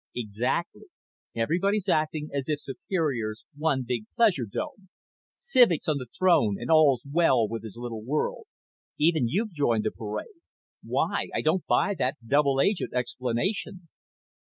"Exactly. Everybody's acting as if Superior's one big pleasure dome. Civek's on the throne and all's well with his little world. Even you've joined the parade. Why? I don't buy that double agent explanation."